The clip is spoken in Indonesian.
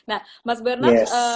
nah mas bernard